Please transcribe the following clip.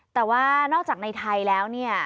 แต่ว่านอกจากในไทยแล้วเนี่ย